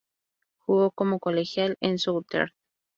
Jugo como colegial en Southern.